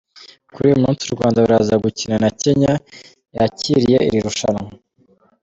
Kuri uyu munsi u Rwanda ruraza gukina na Kenya yakiriye iri rushanwa.